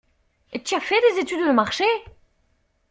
Tu as fait des études de marché?